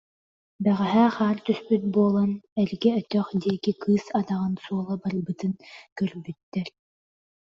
Бэҕэһээ хаар түспүт буолан, эргэ өтөх диэки кыыс атаҕын суола барбытын кірбүттэр